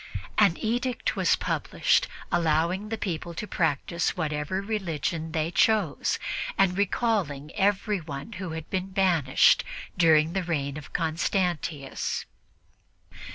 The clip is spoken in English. An edict was published allowing the people to practice whatever religion they chose and recalling everybody who had been banished during the reign of Constantius.